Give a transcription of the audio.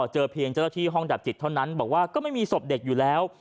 เจอเพียงเจ้าหน้าที่ห้องดับจิตเท่านั้นบอกว่าก็ไม่มีศพเด็กอยู่แล้ว